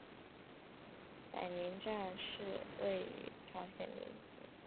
载宁站是位于朝鲜民主主义人民共和国黄海南道载宁郡载宁邑的一个铁路车站。